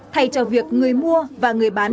thay cho việc người mua và người bán